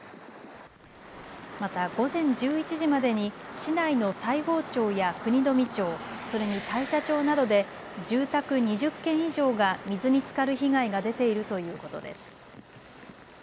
また午前１１時までに市内の西郷町や国富町、それに大社町などで住宅２０軒以上が水につかる被害が出ているということです。